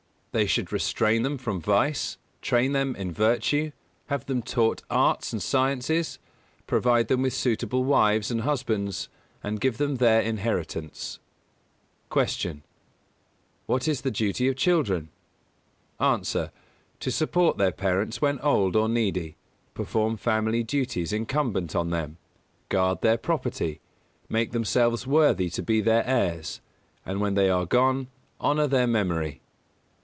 They should restrain them from vice, train them in virtue; have them taught arts and sciences; provide them with suitable wives and husbands, and give them their inheritance. 208. Q. What is the duty of children? A. To support their parents when old or needy; perform family duties incumbent on them; guard their property; make themselves worthy to be their heirs, and when they are gone, honour their memory.